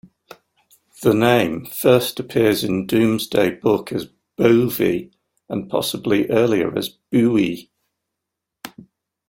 The name first appears in Domesday Book as "Bovi" and possibly earlier as "Buui".